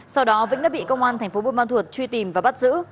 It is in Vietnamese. sau đó vĩnh đã bị công an tp buôn ma thuột truy tìm và bắt giữ